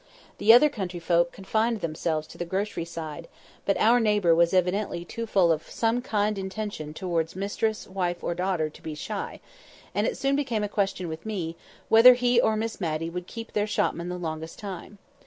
The other country folk confined themselves to the grocery side; but our neighbour was evidently too full of some kind intention towards mistress, wife or daughter, to be shy; and it soon became a question with me, whether he or Miss Matty would keep their shopmen the longest time.